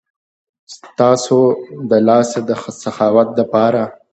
ستا د لاسونو د سخاوت د پاره